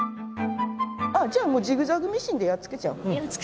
じゃあもうジグザグミシンでやっつけちゃおう。